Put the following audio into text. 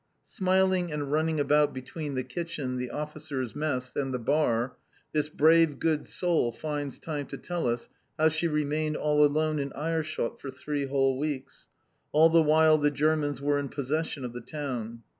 Smiling and running about between the kitchen, the officers' mess, and the bar, this brave, good soul finds time to tell us how she remained all alone in Aerschot for three whole weeks, all the while the Germans were in possession of the town.